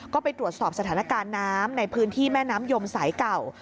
ก็ไปตรวจสอบสถานการณ์น้ำในพื้นที่แม่น้ำยมสายเก่า